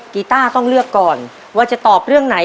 กีต้าต้องเลือกก่อนว่าจะตอบเรื่องไหน